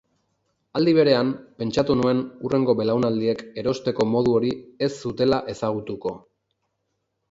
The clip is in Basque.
Aldi berean, pentsatu nuen hurrengo belaunaldiek erosteko modu hori ez zutela ezagutuko.